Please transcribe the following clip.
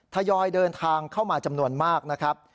ทยอยเดินทางเข้ามาจำนวนมากนะครับ